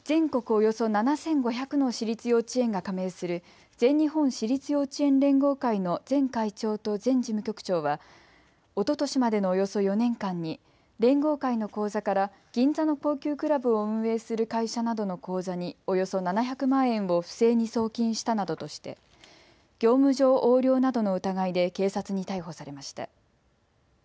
およそ７５００の私立幼稚園が加盟する全日本私立幼稚園連合会の前会長と前事務局長はおととしまでのおよそ４年間に連合会の口座から銀座の高級クラブを運営する会社などの口座におよそ７００万円を不正に送金したなどとして業務上横領などの疑いで警察に逮捕されました。